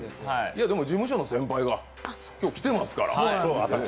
事務所の先輩が今日、来てますから。